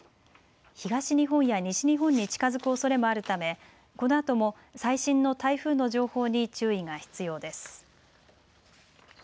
東日本や西日本に近づくおそれもあるため、このあとも最新の台風の情報に注意が必要です。